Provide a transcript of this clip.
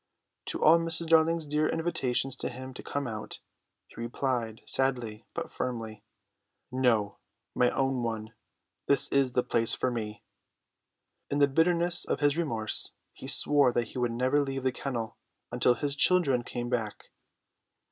To all Mrs. Darling's dear invitations to him to come out he replied sadly but firmly: "No, my own one, this is the place for me." In the bitterness of his remorse he swore that he would never leave the kennel until his children came back.